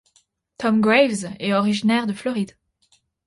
Tom Graves est originaire de Floride.